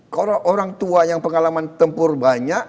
kalau orang tua yang pengalaman tempur banyak